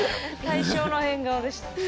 大正の変顔でしたね。